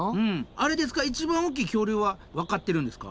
あれですか一番大きい恐竜はわかってるんですか？